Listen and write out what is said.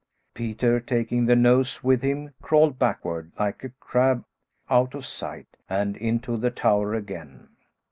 Peter, taking the noose with him, crawled backward, like a crab, out of sight, and into the tower again.